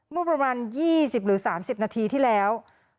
เมื่อประมาณ๒๐หรือ๓๐นาทีที่แล้ว